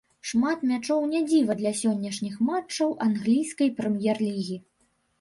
Шмат мячоў не дзіва для сённяшніх матчаў англійскай прэм'ер-лігі.